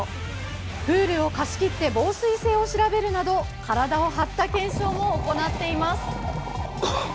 プールを貸し切って防水性を調べるなど体を張った検証も行っています。